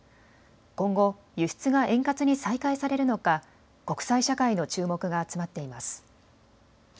今後、輸出が円滑に再開されるのか国際社会の注目が集まっています。